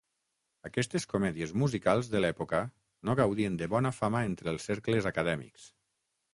Aquestes comèdies musicals de l'època no gaudien de bona fama entre els cercles acadèmics.